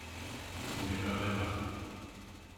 Ce n’est pas vrai partout.